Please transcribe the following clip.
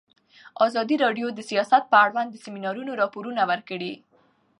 ازادي راډیو د سیاست په اړه د سیمینارونو راپورونه ورکړي.